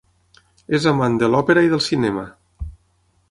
És amant de l'òpera i del cinema.